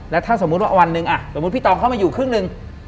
แล้วถ้าสมมุติว่าวันหนึ่งสมมุติพี่ตองเข้ามาอยู่ครึ่งหนึ่ง